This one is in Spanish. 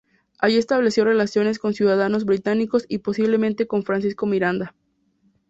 Allí estableció relaciones con ciudadanos británicos y posiblemente con Francisco Miranda.